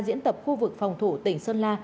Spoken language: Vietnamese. diễn tập khu vực phòng thủ tỉnh sơn la